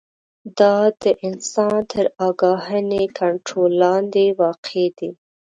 دا د انسان تر آګاهانه کنټرول لاندې واقع دي.